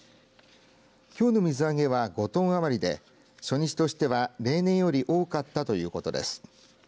きょうの水揚げは５トン余りで初日としては例年より多かったということです。